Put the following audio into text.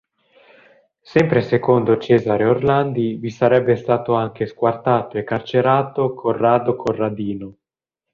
Sempre secondo Cesare Orlandi, vi sarebbe stato anche "squartato e carcerato" "Corrado Corradino".